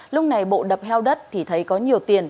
lúc này bộ đập heo đất thì thấy có nhiều tiền